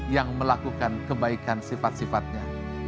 yang melakukan kebaikan sifat sifatnya